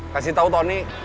kasih tau tony